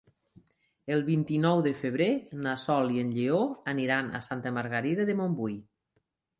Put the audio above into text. El vint-i-nou de febrer na Sol i en Lleó aniran a Santa Margarida de Montbui.